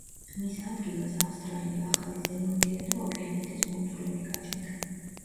მის ადგილას ავსტრალია, ახალი ზელანდია და ოკეანეთის კუნძულები გაჩნდა.